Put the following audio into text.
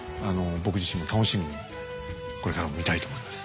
僕自身も楽しみにこれからも見たいと思います。